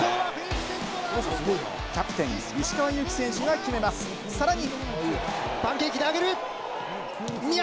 キャプテン・石川祐希選手が決めます、さらに。